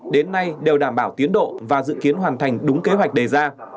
đến nay đều đảm bảo tiến độ và dự kiến hoàn thành đúng kế hoạch đề ra